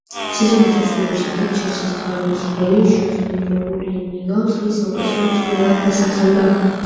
სეზონის დასრულების შემდეგ „ჩელსის“ მთავარი მწვრთნელი, ჟოზე მოურინიო წლის საუკეთესო მწვრთნელად დასახელდა.